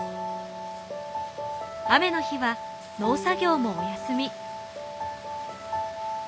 雨の日は農作業もお休み。